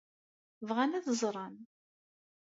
Bɣan ad t-ẓren?